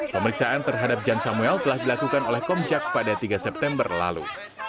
pemeriksaan terhadap jan samuel telah dilakukan oleh komjak pada tiga september lalu